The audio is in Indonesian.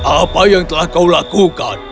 apa yang telah kau lakukan